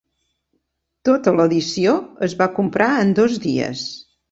Tota l'edició es va comprar en dos dies.